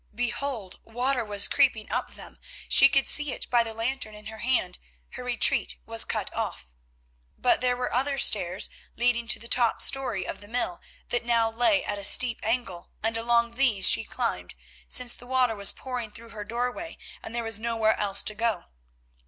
Behold! water was creeping up them, she could see it by the lantern in her hand—her retreat was cut off. But there were other stairs leading to the top storey of the mill that now lay at a steep angle, and along these she climbed, since the water was pouring through her doorway and there was nowhere else to go.